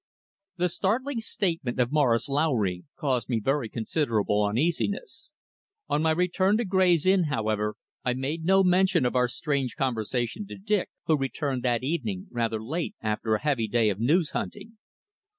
The startling statement of Morris Lowry caused me very considerable uneasiness. On my return to Grey's Inn, however, I made no mention of our strange conversation to Dick, who returned that evening rather late after a heavy day of news hunting.